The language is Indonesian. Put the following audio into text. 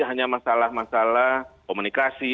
hanya masalah masalah komunikasi